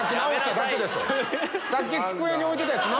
さっき机に置いてたやつ。